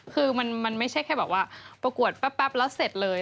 คือมันไม่ใช่แค่แบบว่าประกวดแป๊บแล้วเสร็จเลย